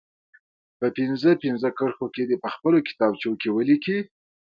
په پنځه پنځه کرښو کې دې په خپلو کتابچو کې ولیکي.